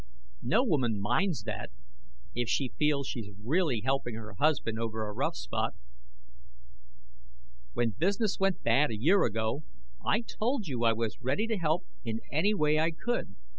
No woman minds that if she feels she is really helping her husband over a rough spot. When business went bad a year ago, I told you I was ready to help in any way I could.